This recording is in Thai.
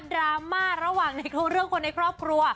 ราม่าระหว่างในเรื่องคนในครอบครัว